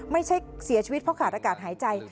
ไม่ใช่เสียชีวิตเพราะขาดอากาศหายใจ